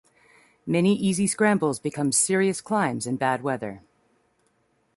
Many easy scrambles become serious climbs in bad weather.